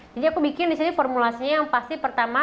jadi aku bikin disini formulasnya yang pasti pertama